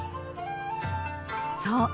［そう。